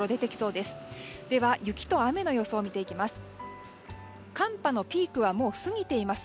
では雪と雨の予想見ていきます。